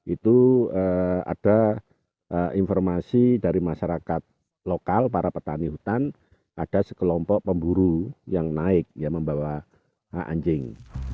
itu ada informasi dari masyarakat lokal para petani hutan ada sekelompok pemburu yang naik yang membawa anjing